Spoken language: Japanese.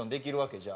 じゃあ。